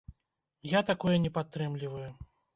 Я такое не падтрымліваю.